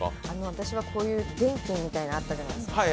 私はこういう電気みたいなのあったじゃないですか。